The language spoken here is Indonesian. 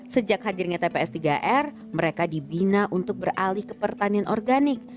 sejak hadirnya tps tiga r mereka dibina untuk beralih ke pertanian organik